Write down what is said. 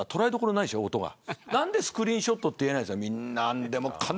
なんで、みんなスクリーンショットって言えないんですか。